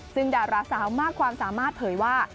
ซึ่งดาราสาวมากความสามารถเผยว่า